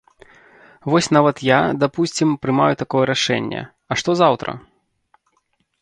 Вось нават я, дапусцім, прымаю такое рашэнне, а што заўтра?